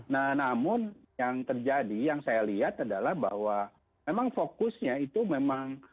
nah namun yang terjadi yang saya lihat adalah bahwa memang fokusnya itu memang